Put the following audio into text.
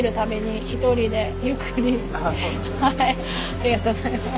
ありがとうございます。